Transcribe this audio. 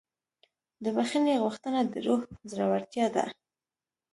د بښنې غوښتنه د روح زړورتیا ده.